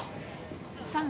３。